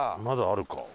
まだあるか。